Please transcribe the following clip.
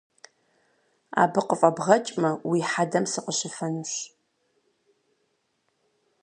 Абы къыфӏэбгъэкӏмэ уи хьэдэм сыкъыщыфэнущ!